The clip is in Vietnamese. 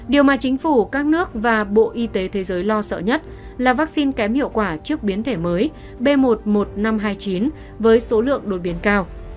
điều mà chính phủ các nước và bộ y tế thế giới lo sợ nhất là vaccine kém hiệu quả trước biến thể mới b một mươi một nghìn năm trăm hai mươi chín với số lượng đột biến cao